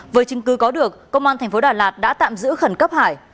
với chứng cứ có được công an thành phố đà lạt đã tạm giữ khẩn cấp hải